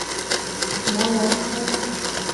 摩罗斯。